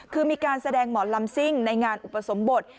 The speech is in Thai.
คือมีการแสดงหมอนลำซิ่งในงานอุปสมบท